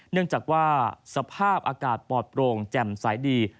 เนื่องจากว่าสภาพอากาศปลอดโปร่งแจ่มสายดี